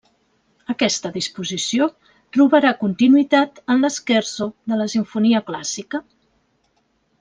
Aquesta disposició trobarà continuïtat en l'scherzo de la simfonia clàssica.